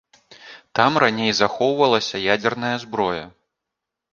Там раней захоўвалася ядзерная зброя.